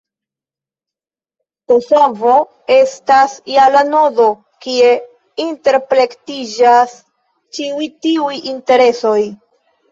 Kosovo estas ja la nodo, kie interplektiĝas ĉiuj tiuj interesoj.